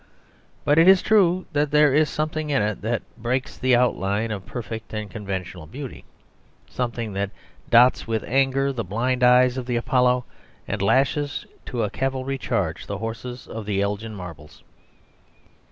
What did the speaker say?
But it is true that there is something in it that breaks the outline of perfect and conventional beauty, something that dots with anger the blind eyes of the Apollo and lashes to a cavalry charge the horses of the Elgin Marbles.